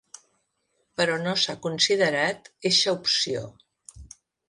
Però no s’ha considerat eixa opció.